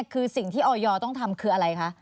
คือสิ่งที่ออยต้องทำคืออะไรคะ